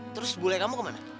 terus bule kamu kemana